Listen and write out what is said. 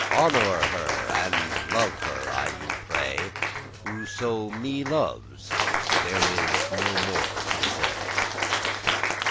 Honoure her, and love her, I you pray, Whoso me loves; there is no more to say."